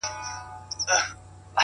• د غوجل او د ګورم د څښتنانو ,